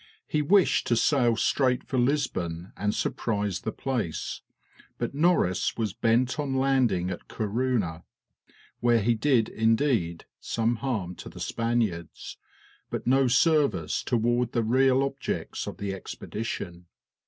He wished to sail straight for Lisbon and surprise the place; but Norris was bent on landing at Corunna, where he did indeed some harm to the Spaniards, but no service toward the real objects of the expedition.